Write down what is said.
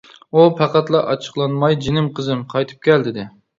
ئۇ پەقەتلا ئاچچىقلانماي جىنىم قىزىم قايتىپ كەل دېدى.